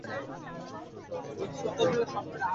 ও না আসা পর্যন্ত আমাদের তাদের আটকে রাখতে হবে।